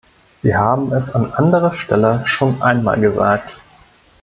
Sie haben es an anderer Stelle schon einmal gesagt.